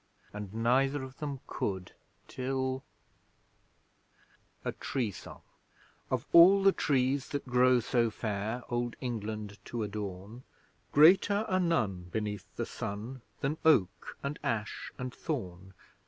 And neither of them could till A TREE SONG Of all the trees that grow so fair, Old England to adorn, Greater are none beneath the Sun, Than Oak, and Ash, and Thorn.